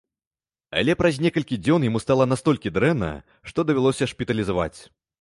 Але праз некалькі дзён яму стала настолькі дрэнна, што давялося шпіталізаваць.